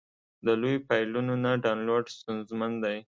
د لویو فایلونو نه ډاونلوډ ستونزمن دی.